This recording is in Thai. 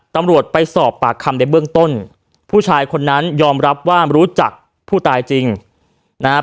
ตำรวจไปสอบปากคำในเบื้องต้นผู้ชายคนนั้นยอมรับว่ารู้จักผู้ตายจริงนะฮะ